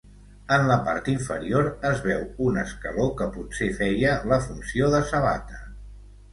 En la part inferior es veu un escaló que potser feia la funció de sabata.